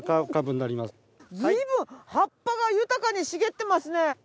随分葉っぱが豊かに茂ってますね！